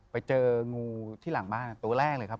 ไปเจองูที่หลังบ้านตัวแรกเลยครับ